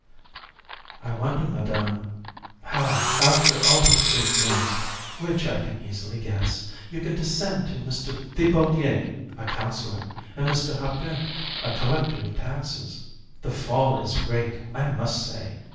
JU. I wonder, Madam, how, after all those great names, which I can easily guess, you can descend to Mr. Thibaudier, a councillor, and Mr. Harpin, a collector of taxes? The fall is great, I must say.